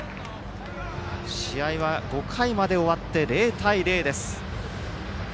試合は５回まで終わって０対０です。